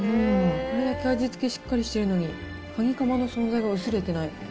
これだけ味付けしっかりしてるのに、かにかまの存在が薄れてない。